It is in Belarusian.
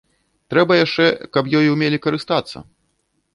Трэба яшчэ, каб ёй умелі карыстацца.